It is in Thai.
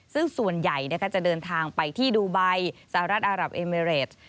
ซึ่งส่วนใหญ่จะเดินทางไปที่ดูไบสหรัฐอารับเอเมเรด